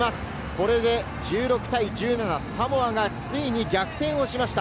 これで１６対１７、サモアがついに逆転をしました。